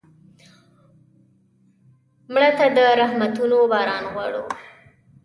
مړه ته د رحمتونو باران غواړو